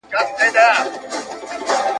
ما نۀ وې چې هر څوک پۀ مونږ خبر دے تا وې نۀ دے